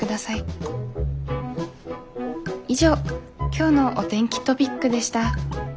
以上今日のお天気トピックでした。